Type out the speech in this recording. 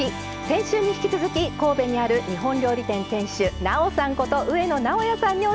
先週に引き続き神戸にある日本料理店店主なおさんこと上野直哉さんに教えて頂きます。